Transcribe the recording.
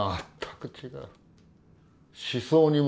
全く違う。